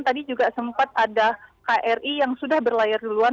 tadi juga sempat ada kri yang sudah berlayar duluan